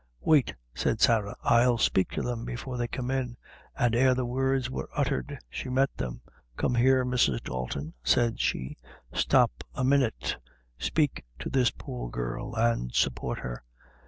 "Wait," said Sarah, "I'll speak to them before they come in." And, ere the words were uttered, she met them. "Come here, Mrs. Dalton," said she; "stop a minute, speak to this poor girl, and support her.